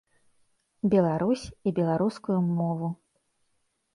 Беларусь і беларускую мову.